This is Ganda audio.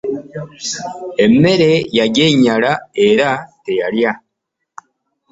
Emmere yagyenyinyala era teyalya.